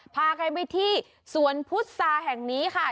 พากันไปที่สวนพุษาแห่งนี้ค่ะ